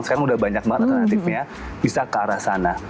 sekarang udah banyak banget alternatifnya bisa ke arah sana